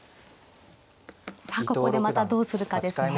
さあここでまたどうするかですね。